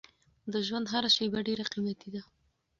د ژوند هره شېبه ډېره قیمتي ده.